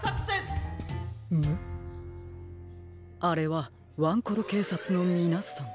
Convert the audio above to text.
こころのこえあれはワンコロけいさつのみなさん。